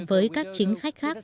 với các chính khách khác